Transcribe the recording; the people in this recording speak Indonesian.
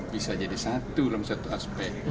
bisa jadi satu dalam satu aspek